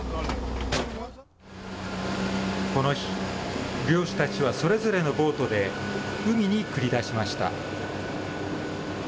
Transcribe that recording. この日、漁師たちはそれぞれのボートで海に繰り出しました。